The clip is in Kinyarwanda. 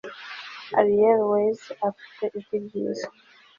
ariel wayz afite ijwi ryiza